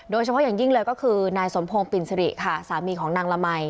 โดยเฉพาะอย่างยิ่งเลยก็คือนายสมพงศ์ปิ่นสิริค่ะสามีของนางละมัย